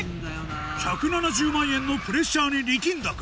１７０万円のプレッシャーに力んだか？